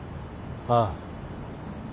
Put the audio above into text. ああ。